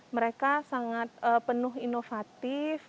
mereka sangat penuh inovatif